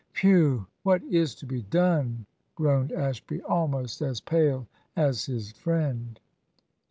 "Whew! what is to be done?" groaned Ashby, almost as pale as his friend.